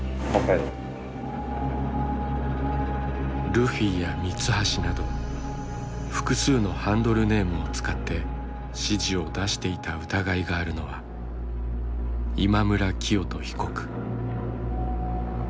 ルフィやミツハシなど複数のハンドルネームを使って指示を出していた疑いがあるのは今村磨人被告。